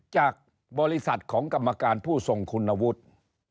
จากบริษัทของกรรมการผู้ทรงคุณวุฒิ